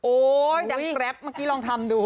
ดังแกรปเมื่อกี้ลองทำดู